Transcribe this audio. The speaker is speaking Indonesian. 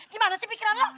gimana sih pikiran lu